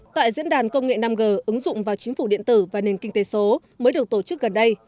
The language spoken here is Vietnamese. tại diễn đàn công nghệ năm g ứng dụng vào chính phủ điện tử và nền kinh tế số mới được tổ chức gần đây